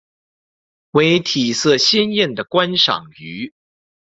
为体色鲜艳的观赏鱼。